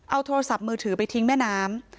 เอาโทรศัพท์มือถือไปทิ้งแม่น้ำ